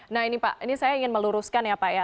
nah ini pak ini saya ingin meluruskan ya pak ya